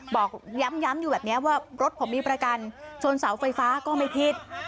บอกย้ำอยู่แบบนี้ว่ารถผมมีประกันชนเสาไฟฟ้าก็ไม่ผิด